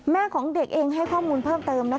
ของเด็กเองให้ข้อมูลเพิ่มเติม